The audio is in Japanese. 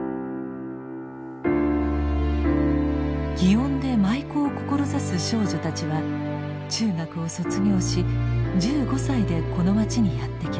祇園で舞妓を志す少女たちは中学を卒業し１５歳でこの町にやって来ます。